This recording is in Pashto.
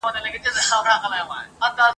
موږ په تېرو کلونو کي ډېر پرمختګ کړی وو.